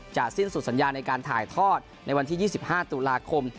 สิ้นสุดสัญญาในการถ่ายทอดในวันที่๒๕ตุลาคม